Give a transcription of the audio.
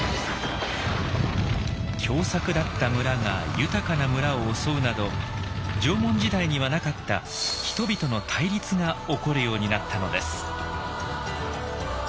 凶作だった村が豊かな村を襲うなど縄文時代にはなかった「人々の対立」が起こるようになったのです。